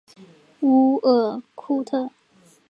乌尔库特。